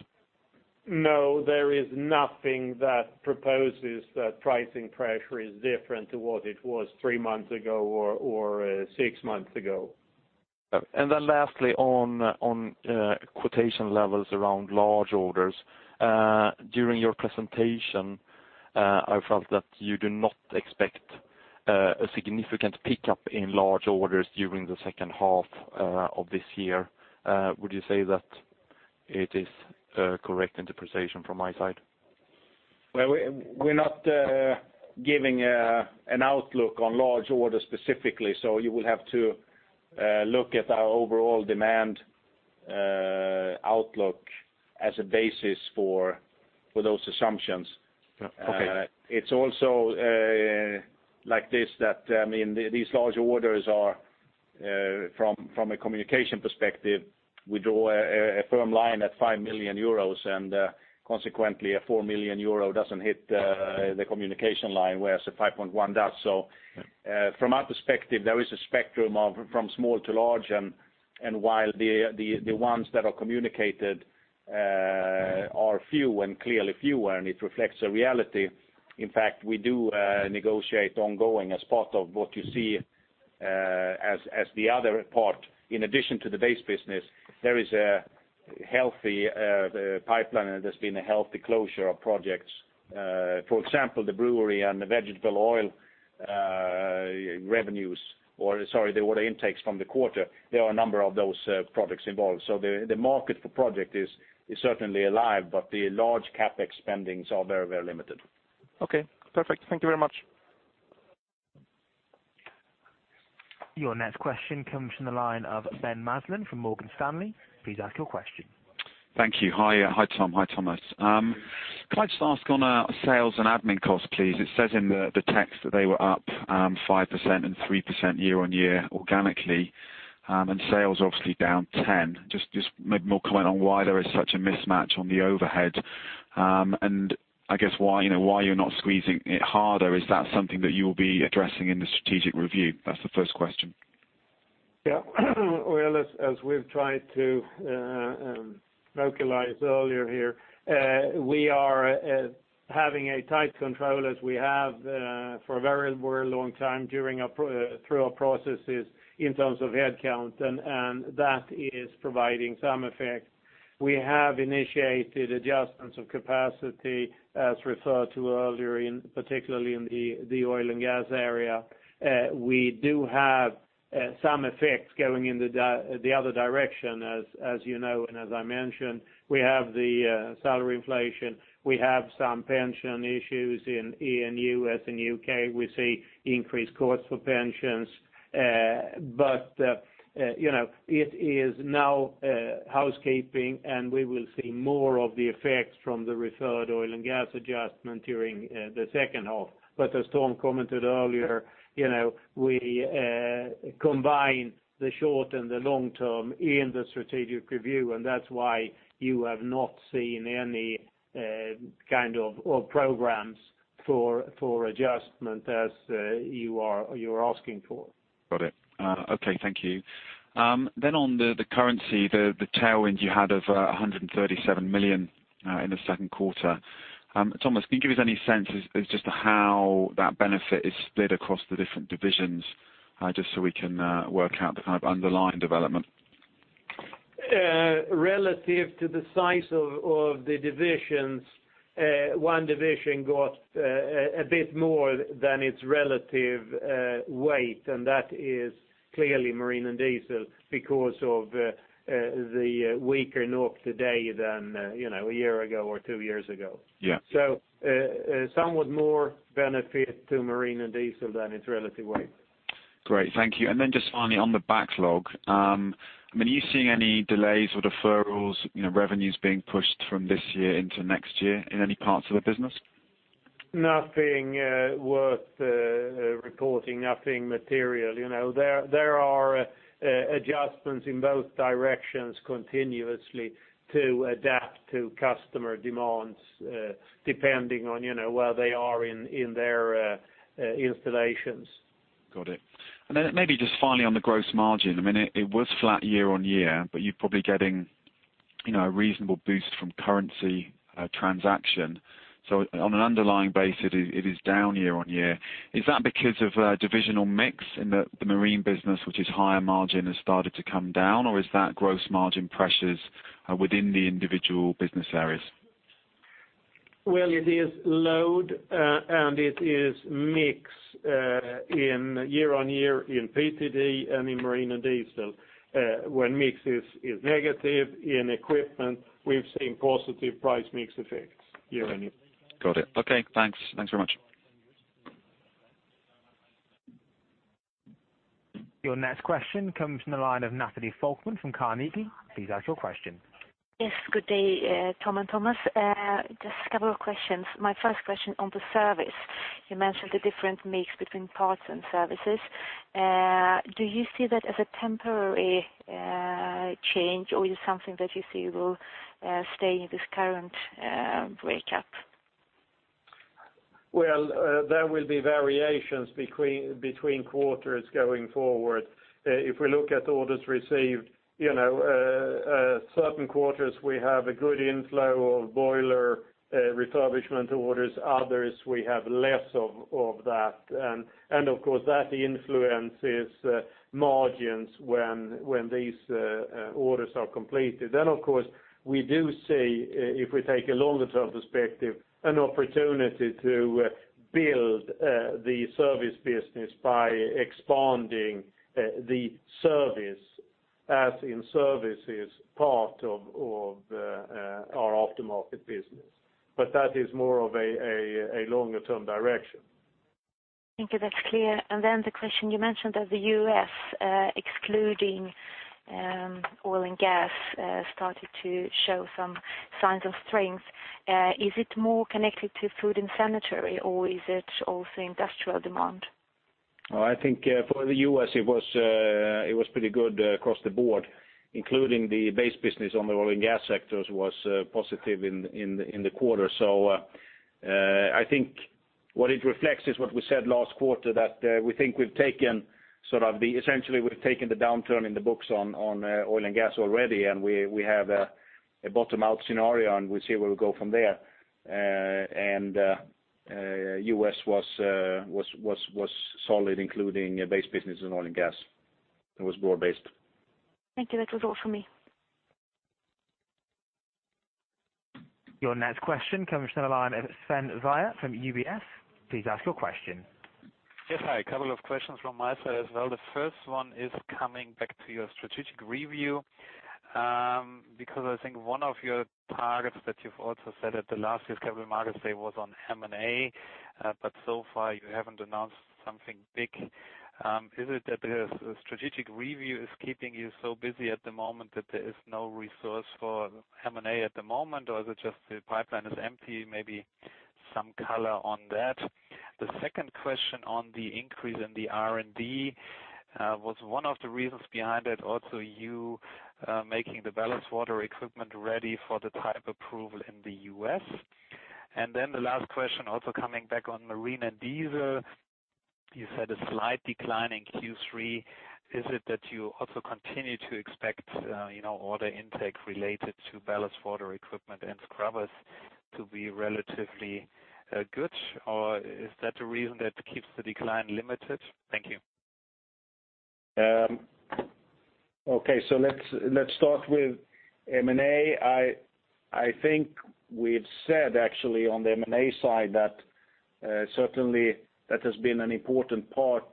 No, there is nothing that proposes that pricing pressure is different to what it was three months ago or six months ago. lastly, on quotation levels around large orders. During your presentation, I felt that you do not expect a significant pickup in large orders during the second half of this year. Would you say that it is a correct interpretation from my side? Well, we're not giving an outlook on large orders specifically, you will have to look at our overall demand outlook as a basis for those assumptions. Okay. It's also like this, that these large orders are from a communication perspective, we draw a firm line at 5 million euros, consequently, a 4 million euro doesn't hit the communication line, whereas a 5.1 million does. From our perspective, there is a spectrum from small to large, while the ones that are communicated are few, clearly fewer, and it reflects a reality. In fact, we do negotiate ongoing as part of what you see as the other part. In addition to the base business, there is a healthy pipeline, and there's been a healthy closure of projects. For example, the brewery and the vegetable oil order intakes from the quarter, there are a number of those products involved. The market for project is certainly alive, but the large CapEx spendings are very limited. Okay, perfect. Thank you very much. Your next question comes from the line of Ben Maslen from Morgan Stanley. Please ask your question. Thank you. Hi, Tom. Hi, Thomas. Could I just ask on our sales and admin costs, please? It says in the text that they were up 5% and 3% year-over-year organically, and sales are obviously down 10%. Just maybe more comment on why there is such a mismatch on the overhead, and I guess why you're not squeezing it harder. Is that something that you will be addressing in the strategic review? That's the first question. Well, as we've tried to vocalize earlier here, we are having a tight control as we have for a very long time through our processes in terms of headcount, and that is providing some effect. We have initiated adjustments of capacity as referred to earlier, particularly in the oil and gas area. We do have some effects going in the other direction, as you know and as I mentioned. We have the salary inflation. We have some pension issues in E&U, as in U.K., we see increased costs for pensions. It is now housekeeping, and we will see more of the effects from the referred oil and gas adjustment during the second half. As Tom commented earlier, we combine the short and the long term in the strategic review, and that's why you have not seen any kind of programs for adjustment as you're asking for. Got it. Okay, thank you. On the currency, the tailwind you had of 137 million in the second quarter. Thomas, can you give us any sense as just how that benefit is split across the different divisions, just so we can work out the kind of underlying development? Relative to the size of the divisions, one division got a bit more than its relative weight, that is clearly marine and diesel because of the weaker NOK today than a year ago or two years ago. Yeah. Somewhat more benefit to marine and diesel than its relative weight. Great, thank you. Then just finally on the backlog. Are you seeing any delays or deferrals, revenues being pushed from this year into next year in any parts of the business? Nothing worth reporting, nothing material. There are adjustments in both directions continuously to adapt to customer demands, depending on where they are in their installations. Got it. Maybe just finally on the gross margin. It was flat year-on-year, but you're probably getting a reasonable boost from currency transaction. On an underlying base, it is down year-on-year. Is that because of divisional mix in the marine business, which is higher margin, has started to come down, or is that gross margin pressures within the individual business areas? Well, it is load, and it is mix in year-on-year in PTD and in marine and diesel. When mix is negative in equipment, we've seen positive price mix effects year-on-year. Got it. Okay, thanks very much. Your next question comes from the line of Natalie Falkman from Carnegie. Please ask your question. Yes, good day, Tom and Thomas. Just a couple of questions. My first question on the service, you mentioned the different mix between parts and services. Do you see that as a temporary change, or is it something that you feel will stay in this current breakup? Well, there will be variations between quarters going forward. If we look at orders received, certain quarters we have a good inflow of boiler refurbishment orders, others we have less of that. Of course, that influences margins when these orders are completed. Of course, we do see, if we take a longer term perspective, an opportunity to build the service business by expanding the service, as in services part of our aftermarket business. That is more of a longer-term direction. Thank you. That's clear. Then the question, you mentioned that the U.S., excluding oil and gas, started to show some signs of strength. Is it more connected to food and sanitary, or is it also industrial demand? I think for the U.S. it was pretty good across the board, including the base business on the oil and gas sectors was positive in the quarter. I think what it reflects is what we said last quarter, that we think we've taken the downturn in the books on oil and gas already, and we have a bottom-out scenario, and we'll see where we go from there. U.S. was solid, including base business and oil and gas. It was broad-based. Thank you. That was all for me. Your next question comes from the line of Sven Weier from UBS. Please ask your question. Yes, hi. A couple of questions from my side as well. I think one of your targets that you've also said at the last year's Capital Markets Day was on M&A, but so far you haven't announced something big. Is it that the strategic review is keeping you so busy at the moment that there is no resource for M&A at the moment, or is it just the pipeline is empty? Maybe some color on that. The second question on the increase in the R&D, was one of the reasons behind it also you making the ballast water equipment ready for the type approval in the U.S.? The last question also coming back on marine and diesel, you said a slight decline in Q3. Is it that you also continue to expect order intake related to ballast water equipment and scrubbers to be relatively good, or is that the reason that keeps the decline limited? Thank you. Okay. Let's start with M&A. I think we've said actually on the M&A side that certainly that has been an important part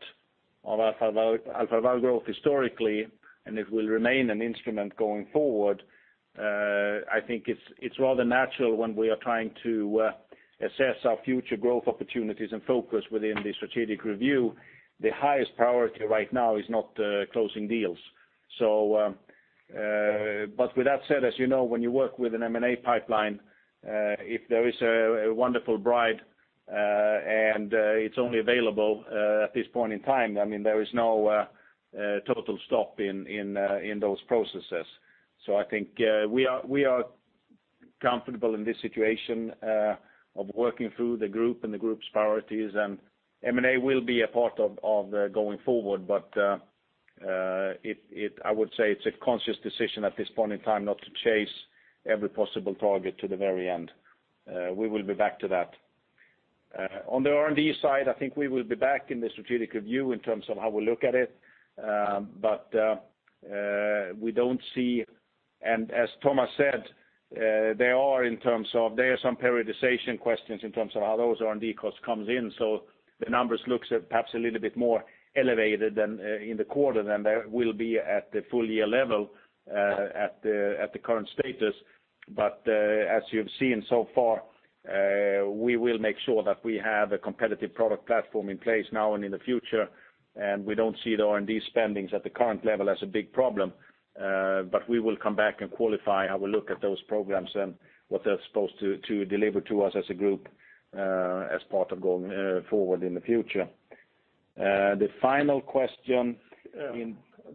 of Alfa Laval growth historically, and it will remain an instrument going forward. I think it's rather natural when we are trying to assess our future growth opportunities and focus within the strategic review. The highest priority right now is not closing deals. With that said, as you know, when you work with an M&A pipeline, if there is a wonderful bride, and it's only available, at this point in time, there is no total stop in those processes. I think we are comfortable in this situation, of working through the group and the group's priorities, and M&A will be a part of going forward, but, I would say it's a conscious decision at this point in time not to chase every possible target to the very end. We will be back to that. On the R&D side, I think we will be back in the strategic review in terms of how we look at it. We don't see, and as Thomas said, there are some periodization questions in terms of how those R&D costs comes in, so the numbers looks perhaps a little bit more elevated than in the quarter than they will be at the full year level, at the current status. As you've seen so far, we will make sure that we have a competitive product platform in place now and in the future, and we don't see the R&D spendings at the current level as a big problem. We will come back and qualify how we look at those programs and what they're supposed to deliver to us as a group, as part of going forward in the future. The final question,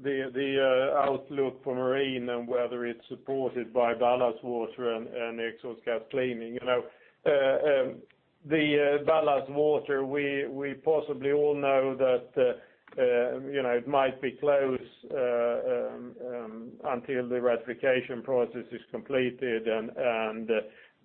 the outlook for marine and whether it's supported by ballast water and exhaust gas cleaning. The ballast water we possibly all know that it might be close until the ratification process is completed, and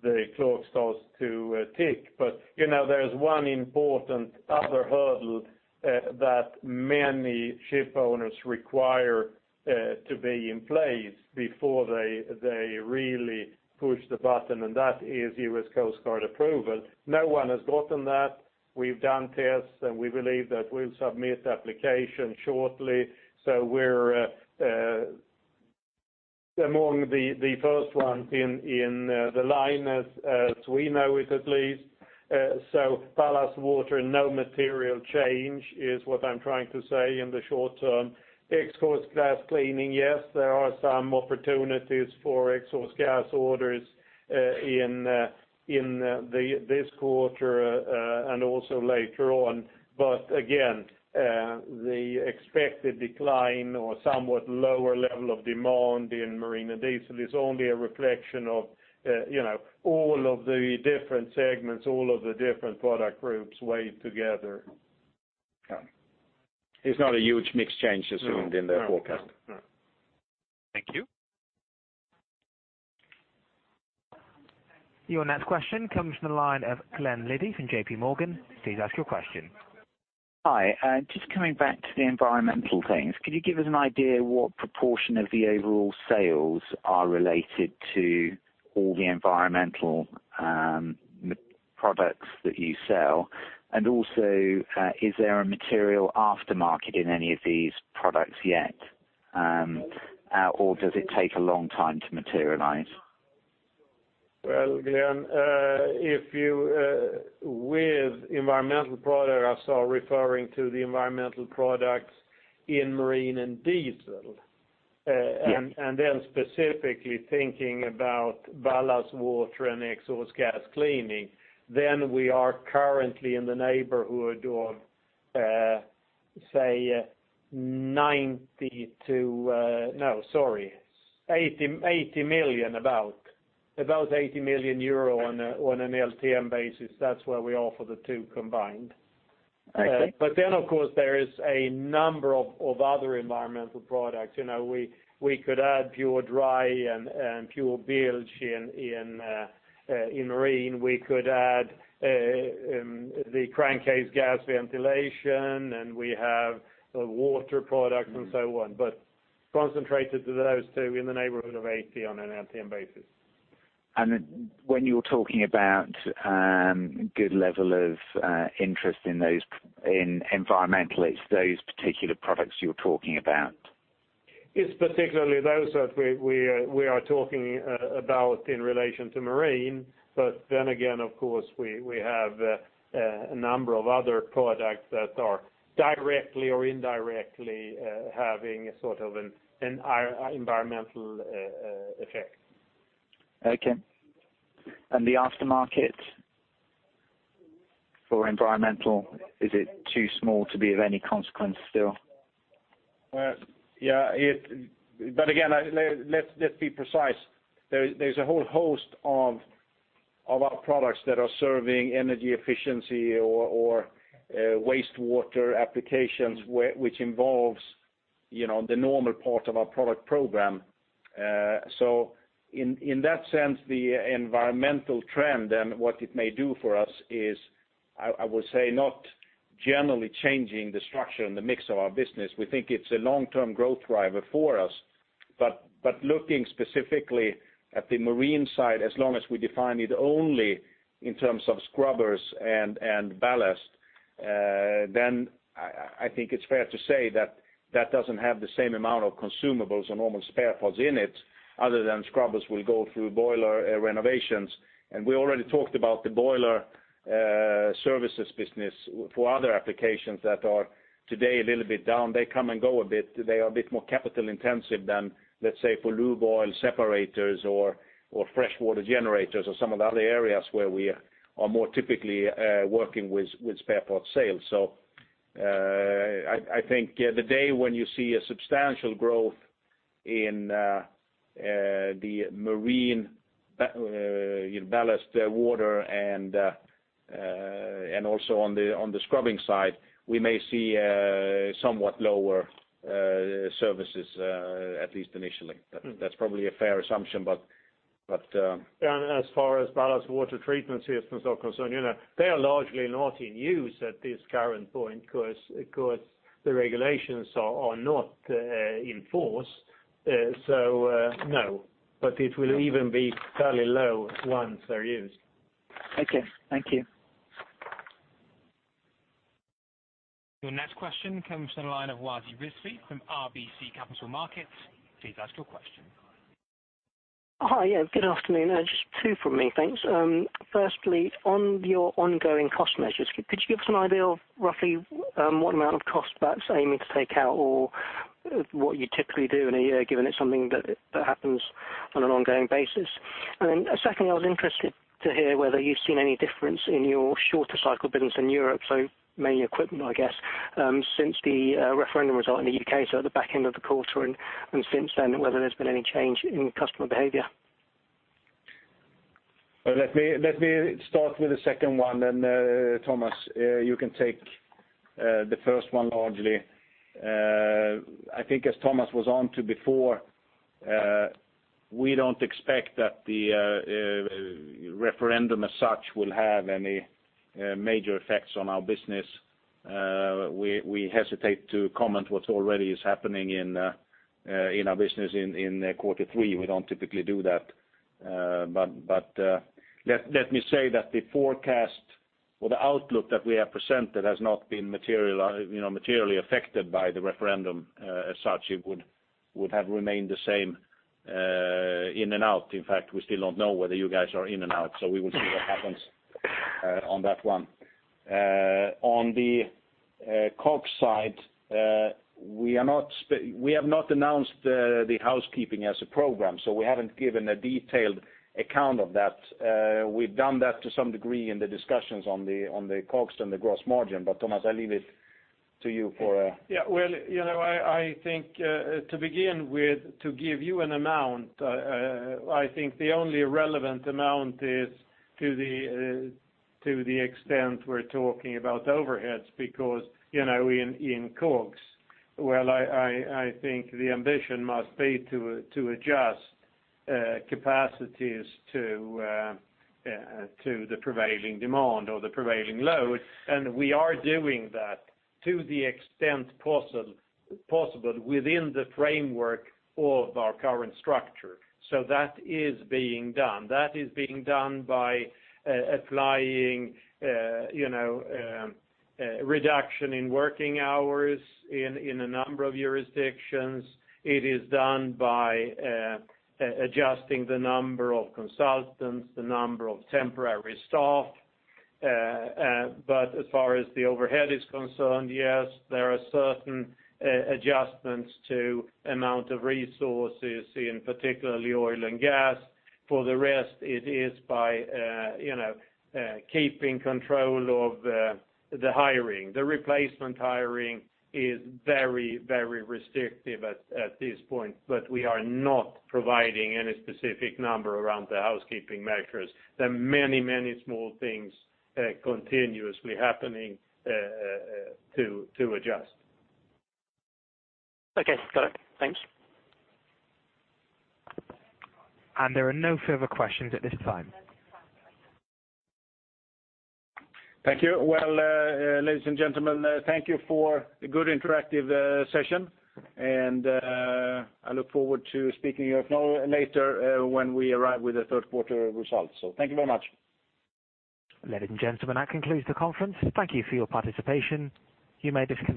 the clock starts to tick. There's one important other hurdle that many ship owners require to be in place before they really push the button, and that is U.S. Coast Guard approval. No one has gotten that. We've done tests, and we believe that we'll submit application shortly. We're among the first ones in the line as we know it, at least. Ballast water, no material change is what I'm trying to say in the short term. Exhaust gas cleaning, yes, there are some opportunities for exhaust gas orders in this quarter, and also later on. Again, the expected decline or somewhat lower level of demand in marine and diesel is only a reflection of all of the different segments, all of the different product groups weighed together. It's not a huge mix change assumed in the forecast. No. Thank you. Your next question comes from the line of Glen Liddy from JP Morgan. Please ask your question. Hi. Just coming back to the environmental things. Could you give us an idea what proportion of the overall sales are related to all the environmental products that you sell? Also, is there a material aftermarket in any of these products yet? Or does it take a long time to materialize? Well, Glen, with environmental products are referring to the environmental products in marine and diesel. Yes. Specifically thinking about ballast water and exhaust gas cleaning, then we are currently in the neighborhood of 80 million. About 80 million euro on an LTM basis. That's where we are for the two combined. Okay. Of course, there is a number of other environmental products. We could add PureDry and PureBilge in marine. We could add the crankcase gas ventilation, and we have water products and so on. Concentrated to those two, in the neighborhood of 80 on an LTM basis. When you're talking about good level of interest in environmentals, those particular products you're talking about? It's particularly those that we are talking about in relation to marine, but then again, of course, we have a number of other products that are directly or indirectly having a sort of an environmental effect. Okay. The aftermarket for environmental, is it too small to be of any consequence still? Well, yeah. Again, let's be precise. There's a whole host of our products that are serving energy efficiency or wastewater applications, which involves the normal part of our product program. In that sense, the environmental trend and what it may do for us is, I would say, not generally changing the structure and the mix of our business. We think it's a long-term growth driver for us. Looking specifically at the marine side, as long as we define it only in terms of scrubbers and ballast, then I think it's fair to say that that doesn't have the same amount of consumables or normal spare parts in it other than scrubbers will go through boiler renovations. We already talked about the boiler services business for other applications that are today a little bit down. They come and go a bit. They are a bit more capital-intensive than, let's say, for lube oil separators or freshwater generators, or some of the other areas where we are more typically working with spare parts sales. I think the day when you see a substantial growth in the marine ballast water and also on the scrubbing side, we may see somewhat lower services, at least initially. That's probably a fair assumption. As far as ballast water treatment systems are concerned, they are largely not in use at this current point because the regulations are not in force. No, but it will even be fairly low once they're used. Okay. Thank you. Your next question comes from the line of Wajid Risley from RBC Capital Markets. Please ask your question. Hi. Yeah, good afternoon. Just two from me. Thanks. Firstly, on your ongoing cost measures, could you give us an idea of roughly what amount of cost perhaps aiming to take out or what you typically do in a year, given it's something that happens on an ongoing basis? Secondly, I was interested to hear whether you've seen any difference in your shorter cycle business in Europe, so mainly equipment, I guess, since the referendum result in the U.K., so at the back end of the quarter and since then, whether there's been any change in customer behavior. Well, let me start with the second one, Tomas, you can take the first one largely. I think as Tomas was onto before, we don't expect that the referendum as such will have any major effects on our business. We hesitate to comment what already is happening in our business in quarter three. We don't typically do that. Let me say that the forecast or the outlook that we have presented has not been materially affected by the referendum as such. It would have remained the same in and out. In fact, we still don't know whether you guys are in and out, We will see what happens on that one. On the COGS side, we have not announced the housekeeping as a program, so we haven't given a detailed account of that. We've done that to some degree in the discussions on the COGS and the gross margin. Tomas, I leave it to you. Well, I think to begin with, to give you an amount, I think the only relevant amount is to the extent we're talking about overheads because in COGS, well, I think the ambition must be to adjust capacities to the prevailing demand or the prevailing load. We are doing that to the extent possible within the framework of our current structure. That is being done. That is being done by applying reduction in working hours in a number of jurisdictions. It is done by adjusting the number of consultants, the number of temporary staff. As far as the overhead is concerned, yes, there are certain adjustments to amount of resources, in particularly oil and gas. For the rest, it is by keeping control of the hiring. The replacement hiring is very, very restrictive at this point, but we are not providing any specific number around the housekeeping measures. There are many, many small things continuously happening to adjust. Okay. Got it. Thanks. There are no further questions at this time. Thank you. Well, ladies and gentlemen, thank you for the good interactive session, and I look forward to speaking with you later when we arrive with the third quarter results. Thank you very much. Ladies and gentlemen, that concludes the conference. Thank you for your participation. You may disconnect.